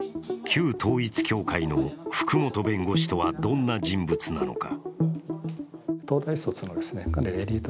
旧統一教会の福本弁護士とはどんな人物なのか。